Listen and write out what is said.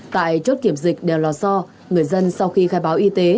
tại chốt kiểm dịch đèo lò so người dân sau khi khai báo y tế